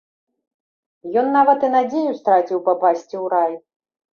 Ён нават і надзею страціў папасці ў рай.